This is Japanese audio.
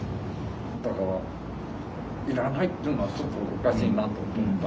だからいらないっていうのはちょっとおかしいなと思ったんです。